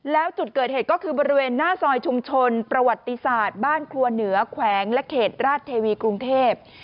แล้วจุดเกิดเหตุก็คือบริเวณหน้าซอยชุมชนประวัติศาสตร์บ้านครัวเหนือแขวงและเขตราชเทวีกรุงเทพ